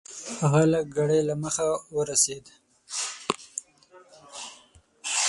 هغه لږ ګړی له مخه راورسېد .